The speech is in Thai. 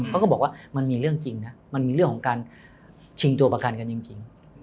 ก็บอกว่ามันมีเรื่องจริงนะมันมีเรื่องของการชิงตัวประกันกันจริง